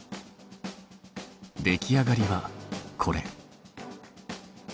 出来上がりはこれ。